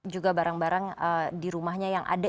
juga barang barang di rumahnya yang ada